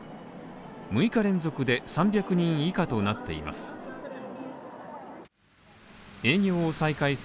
６日連続で３００人以下となっています。